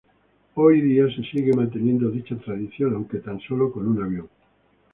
Hoy día se sigue manteniendo dicha tradición, aunque tan sólo con un avión.